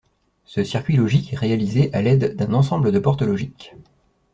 Ce circuit logique est réalisé à l'aide d'un ensemble de portes logiques.